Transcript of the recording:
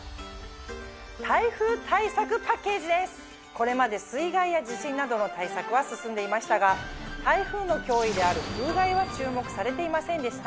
これまで水害や地震などの対策は進んでいましたが台風の脅威である風害は注目されていませんでした。